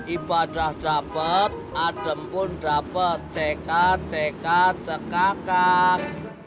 ibadah dapet adem pun dapet cekat cekat cekakak